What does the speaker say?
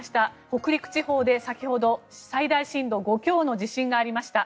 北陸地方で先ほど最大震度５強の地震がありました。